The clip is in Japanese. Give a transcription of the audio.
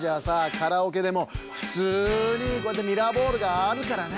カラオケでもふつうにこうやってミラーボールがあるからね。